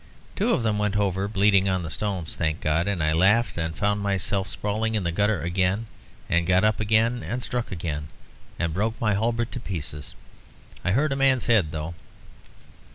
Two of them went over, bleeding on the stones, thank God; and I laughed and found myself sprawling in the gutter again, and got up again, and struck again, and broke my halberd to pieces. I hurt a man's head, though."